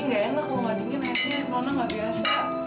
ini gak enak kalau gak dingin airnya nona gak biasa